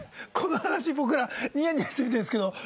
この話僕らにやにやして見てるんですけど